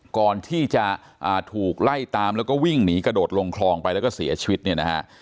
ก่อนที่จะถูกไล่ตามแล้วก็วิ่งหนีกระโดดลงคลองไปแล้วก็เสียชีวิตเนี่ยนะฮะ